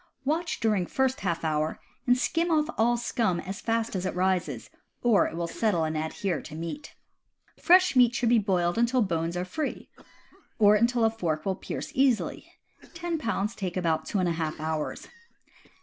Watch during first half hour, and skim off all scum as fast as it rises, or it will settle and adhere to meat. Fresh meat should be boiled until bones are free, or until a fork will pierce easily (ten pounds take about two and a half hours).